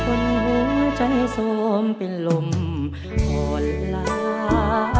คนห่วงใจโทรมเป็นลมห่อนล่า